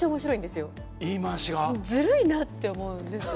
ずるいなって思うんですよ。